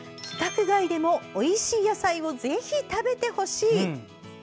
規格外でもおいしい野菜をぜひ食べてほしい。